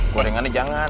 gua dengan nih jangan